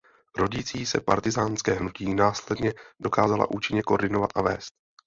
Rodící se partyzánské hnutí následně dokázala účinně koordinovat a vést.